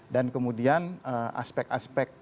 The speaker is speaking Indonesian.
dan kemudian aspek aspek